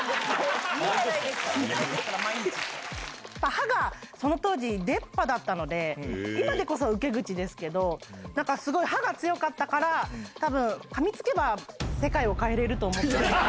歯が、その当時、出っ歯だったので、今でこそ受け口ですけど、なんかすごい歯が強かったから、たぶん、かみつけば世界を変えれると思って。